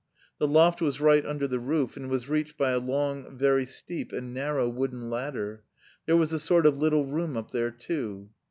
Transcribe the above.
The loft was right under the roof and was reached by a long, very steep and narrow wooden ladder. There was a sort of little room up there too.